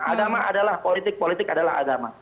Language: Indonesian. agama adalah politik politik adalah agama